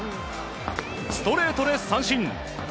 ストレートで三振。